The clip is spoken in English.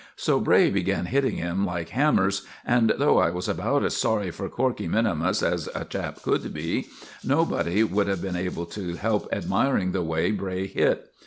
So Bray began hitting him like hammers, and though I was about as sorry for Corkey minimus as a chap could be, nobody would have been able to help admiring the way Bray hit.